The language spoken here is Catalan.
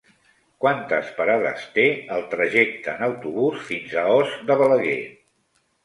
Quantes parades té el trajecte en autobús fins a Os de Balaguer?